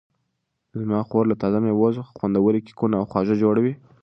زما خور له تازه مېوو څخه خوندورې کیکونه او خواږه جوړوي.